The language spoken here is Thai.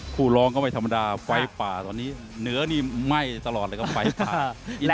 ร้องก็ไม่ธรรมดาไฟป่าตอนนี้เหนือนี่ไหม้ตลอดเลยครับไฟป่า